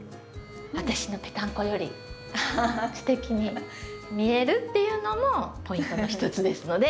私のぺたんこよりすてきに見えるっていうのもポイントの一つですので。